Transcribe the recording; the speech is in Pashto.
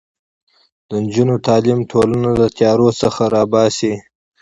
د نجونو تعلیم ټولنه له تیارو څخه راباسي.